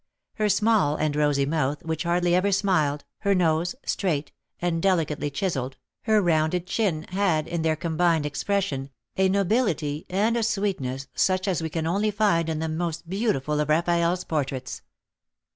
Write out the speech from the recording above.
Her small and rosy mouth, which hardly ever smiled, her nose, straight, and delicately chiselled, her rounded chin, had, in their combined expression, a nobility and a sweetness such as we can only find in the most beautiful of Raphael's portraits.